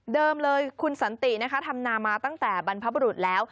เดิมเลยคุณสันติทำนามมาตั้งแต่บรรพบรุษแล้ว